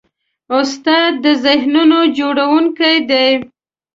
استاد د ذهنونو جوړوونکی دی.